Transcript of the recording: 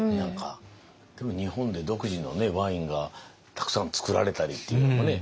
日本で独自のワインがたくさんつくられたりっていうのもね